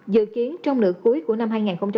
dự kiến trong lượt cuối của năm hai nghìn một mươi chín